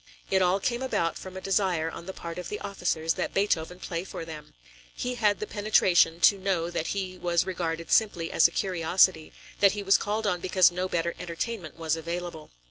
It all came about from a desire on the part of the officers that Beethoven play for them. He had the penetration to know that he was regarded simply as a curiosity, that he was called on because no better entertainment was available.